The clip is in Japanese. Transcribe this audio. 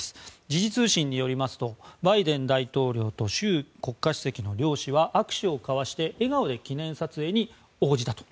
時事通信によりますとバイデン大統領と習国家主席の両氏は握手を交わして笑顔で記念撮影に応じたと。